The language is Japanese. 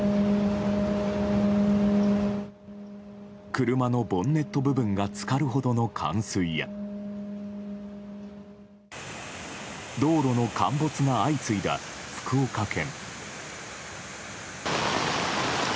車のボンネット部分が浸かるほどの冠水や道路の陥没が相次いだ、福岡県。